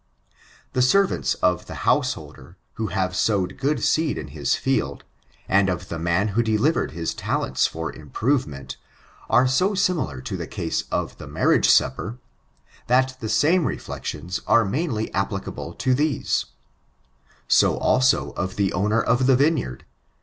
The servants of the householder, who had sowed good seed in his field, and ^of the man who delivered his talents for improvement, are so similar to the case of the marriage supper, that the same reflections are munly applicable to thesa So, also, of the owner of the vine yard.